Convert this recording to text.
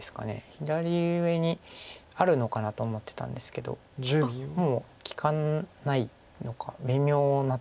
左上にあるのかなと思ってたんですけどもう利かないのか微妙なところです。